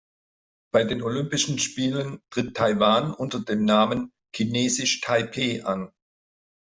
Bei den Olympischen Spielen tritt Taiwan unter dem Namen „Chinesisch Taipeh“ an.